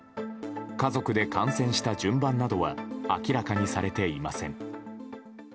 家族で感染した順番などは明らかにされていません。